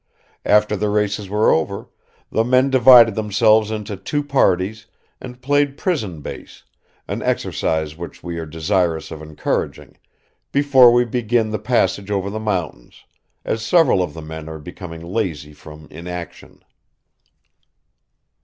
After the races were over, the men divided themselves into two parties and played prison base, an exercise which we are desirous of encouraging, before we begin the passage over the mountains, as several of the men are becoming lazy from inaction."